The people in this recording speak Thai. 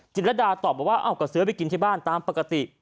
จิตรดาตอบว่าเอ้ากระเสื้อไปกินที่บ้านตามปกติ